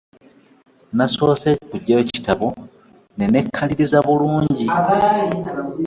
Nasoose kuggyayo kitabo ne nneekaliriza bulungi.